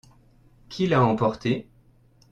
Qui l'a emporté ?